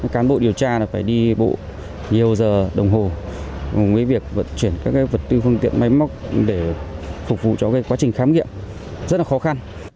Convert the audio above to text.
cán bộ điều tra phải đi bộ nhiều giờ đồng hồ cùng với việc vận chuyển các vật tư phương tiện máy móc để phục vụ cho quá trình khám nghiệm rất là khó khăn